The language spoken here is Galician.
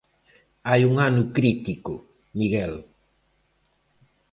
Hai un ano crítico, Miguel.